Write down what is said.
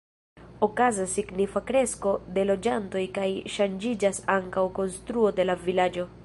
Okazas signifa kresko de loĝantoj kaj ŝanĝiĝas ankaŭ konstruo de la vilaĝo.